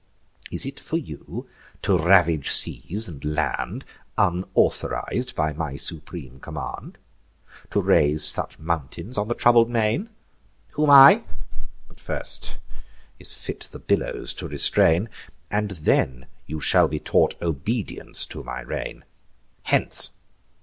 Is it for you to ravage seas and land, Unauthoriz'd by my supreme command? To raise such mountains on the troubled main? Whom I—but first 'tis fit the billows to restrain; And then you shall be taught obedience to my reign. Hence!